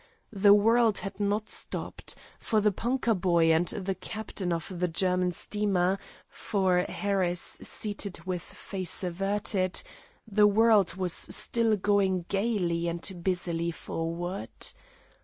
The world had not stopped; for the punka boy, for the captain of the German steamer, for Harris seated with face averted, the world was still going gayly and busily forward.